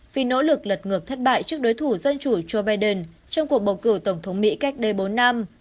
vì nỗ lực lật ngược thất bại trước đối thủ dân chủ joe biden trong cuộc bầu cử tổng thống mỹ cách đây bốn năm